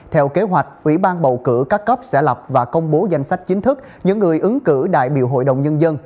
theo kế hoạch ủy ban bầu cử các cấp sẽ lập và công bố danh sách chính thức những người ứng cử đại biểu hội đồng nhân dân